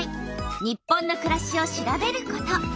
「日本のくらし」を調べること。